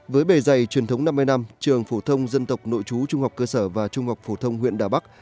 với bề dày truyền thống năm mươi năm trường phổ thông dân tộc nội chú trung học cơ sở và trung học phổ thông huyện đà bắc